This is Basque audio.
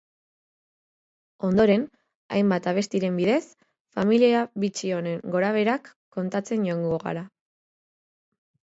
Ondoren, hainbat abestiren bidez, familia bitxi honen gorabeherak kontatzen joango dira.